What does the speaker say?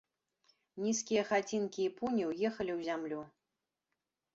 Нізкія хацінкі і пуні ўехалі ў зямлю.